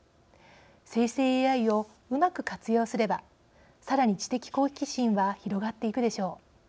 生成ＡＩをうまく活用すればさらに知的好奇心は広がっていくでしょう。